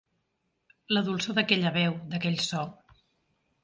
La dolçor d'aquella veu, d'aquell so.